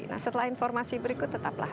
nah setelah informasi berikut tetaplah